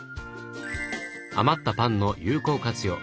余ったパンの有効活用。